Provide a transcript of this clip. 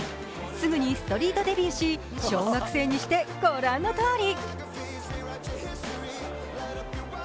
すぐにストリートデビューし小学生にして御覧のとおり。